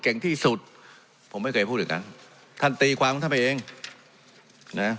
เก่งที่สุดผมไม่เคยพูดอย่างนั้นท่านตีความของท่านไปเองนะ